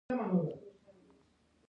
موږ له شېر علي پرته ګوزاره کولای شو.